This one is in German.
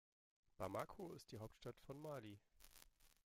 Bamako ist die Hauptstadt von Mali.